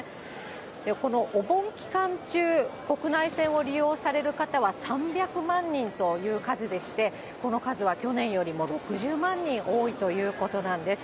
このお盆期間中、国内線を利用される方は３００万人という数でして、この数は去年よりも６０万人多いということなんです。